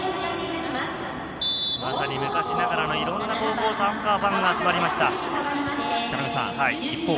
まさに昔ながらのいろんな高校サッカーファンが集まりました。